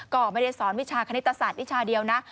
ก็ไม่ได้สอนวิชาคณิตศาสตร์วิชาเดียวนะ